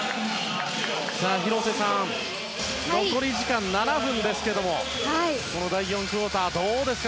広瀬さん、残り時間７分ですがこの第４クオーターどうですか？